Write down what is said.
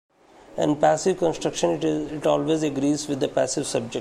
In passive constructions, it always agrees with the passive subject.